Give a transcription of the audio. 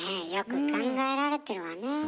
よく考えられてるわね。